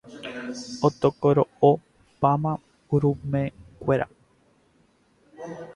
Otokoro'opáma urumekuéra.